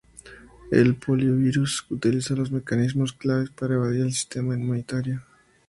El Poliovirus utiliza dos mecanismos claves para evadir el sistema inmunitario.